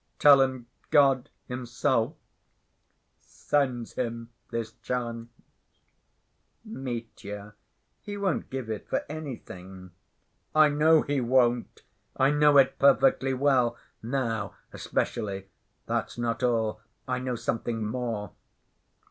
Tell him God Himself sends him this chance." "Mitya, he won't give it for anything." "I know he won't. I know it perfectly well. Now, especially. That's not all. I know something more.